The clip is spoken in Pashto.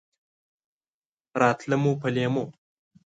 راتله مو په لېمو!